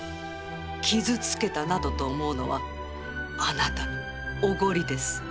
傷つけたなどと思うのはあなたのおごりです。